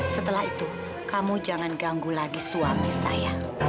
setelah itu kamu jangan ganggu lagi suami saya